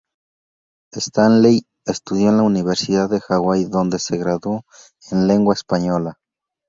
Stanley estudió en la Universidad de Hawaii, donde se graduó en Lengua española.